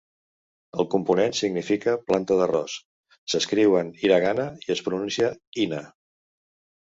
El component significa "planta d'arròs", s'escriu en hiragana i es pronuncia: "ina".